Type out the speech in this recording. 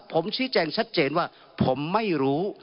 ผมชี้แจงชัดเจนว่าผมไม่รู้